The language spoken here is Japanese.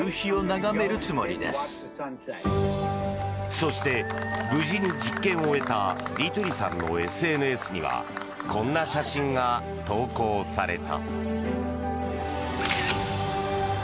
そして無事に実験を終えたディトゥリさんのＳＮＳにはこんな写真が投稿された。